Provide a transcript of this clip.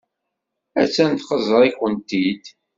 Attan txeẓẓer-ikent-id.